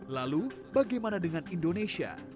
lalu bagaimana dengan indonesia